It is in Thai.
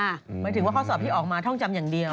หมายถึงว่าข้อสอบที่ออกมาท่องจำอย่างเดียว